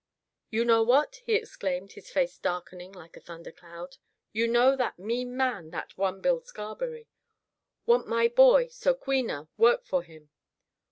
"You know what?" he exclaimed, his face darkening like a thundercloud, "You know that mean man, that one Bill Scarberry. Want my boy, So queena, work for him.